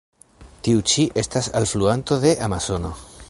Tiu ĉi estas alfluanto de Amazono.